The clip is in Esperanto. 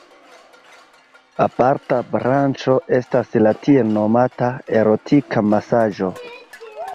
Aparta branĉo estas la tiel nomata erotika masaĝo.